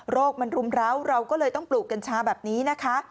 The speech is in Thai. มันรุมร้าวเราก็เลยต้องปลูกกัญชาแบบนี้นะคะ